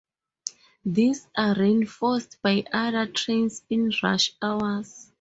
These are reinforced by other trains in rush hours.